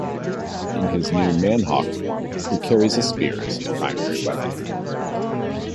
In his new man-hawk form, he carries a spear as his primary weapon.